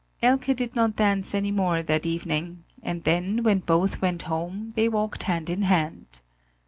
Elke did not dance any more that evening, and then, when both went home, they walked hand in hand.